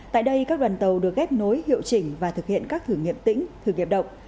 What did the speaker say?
tại đây các đoàn tàu được ghép nối hiệu chỉnh và thực hiện các thử nghiệm tĩnh thử nghiệm động